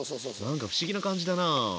何か不思議な感じだな。